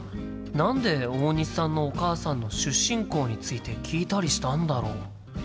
何で大西さんのお母さんの出身校について聞いたりしたんだろう？